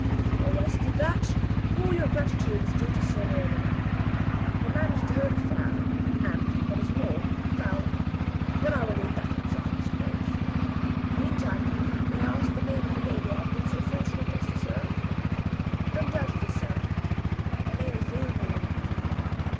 "Oh, as to that, all your gratitude is due to Sir Norman. He managed the whole affair, and what is more, fell but I will leave that for himself to disclose. Meantime, may I ask the name of the lady I have been so fortunate as to serve!" "Undoubtedly, sir my name is Leoline."